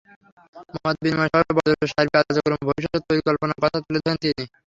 মতবিনিময় সভায় বন্দরের সার্বিক কার্যক্রম এবং ভবিষ্যৎ পরিকল্পনার কথা তুলে ধরেন তিনি।